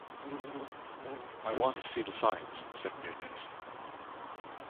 "I want to see the signs", said Nunez.